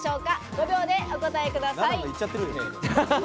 ５秒でお答えください。